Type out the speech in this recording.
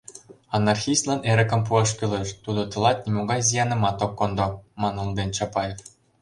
Анархистлан эрыкым пуаш кӱлеш, тудо тылат нимогай зиянымат ок кондо, - манылден Чапаев.